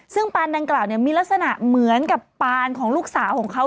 ซึ่งปานดังกล่าวมีลักษณะเหมือนกับปานของลูกสาวของเขา